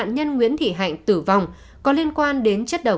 nhá mình có làm gì sai mình sợ